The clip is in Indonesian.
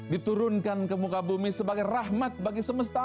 diturunkan ke muka bumi sebagai rahmat bagi semesta